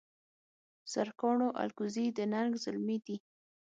سرکاڼو الکوزي د ننګ زلمي دي